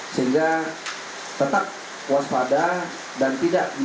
sehingga tetap waspada dan tidak bisa